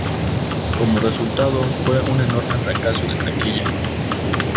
Como resultado, fue un enorme fracaso de taquilla.